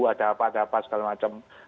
ada apa ada apa segala macam